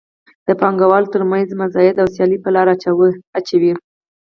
د پانګوالو تر مینځ مزایده او سیالي په لاره اچوي.